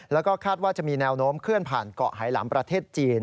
แล้วก็คาดว่าจะมีแนวโน้มเคลื่อนผ่านเกาะไหลำประเทศจีน